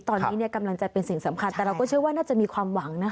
ตอนนี้กำลังใจเป็นสิ่งสำคัญแต่เราก็เชื่อว่าน่าจะมีความหวังนะ